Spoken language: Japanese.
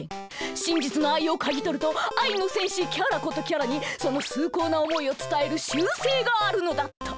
真実の愛を嗅ぎ取ると愛の戦士・キャラことキャラにその崇高な思いを伝える習性があるのだった。